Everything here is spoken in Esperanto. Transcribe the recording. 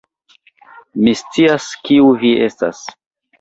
Mi scias, kiu vi estas.